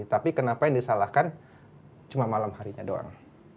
jadi kenapa yang disalahkan cuma malam harinya doang